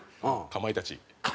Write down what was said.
かまいたち。